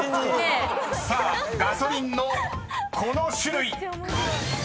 ［さあガソリンのこの種類］